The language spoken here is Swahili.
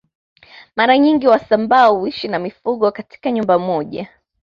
Mara nyingi wasambaa huishi na mifugo katika nyumba moja